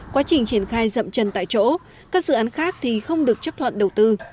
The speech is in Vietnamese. quá trình triển khai rậm trần tại chỗ các dự án khác thì không được chấp thuận đầu tư